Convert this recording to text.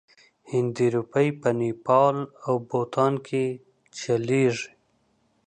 هندي روپۍ په نیپال او بوتان کې چلیږي.